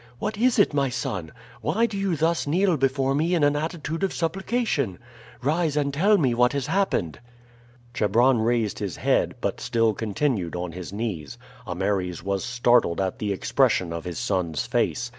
"What is it, my son? Why do you thus kneel before me in an attitude of supplication? Rise and tell me what has happened." Chebron raised his head, but still continued on his knees. Ameres was startled at the expression of his son's face.